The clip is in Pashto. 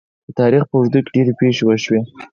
د تاریخ په اوږدو کې ډیرې پېښې وشوې.